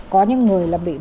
có những người là bất kỳ người